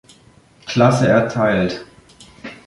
Klasse erteilt.